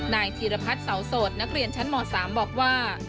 นายธีรพัฒน์เสาโสดนักเรียนชั้นม๓บอกว่า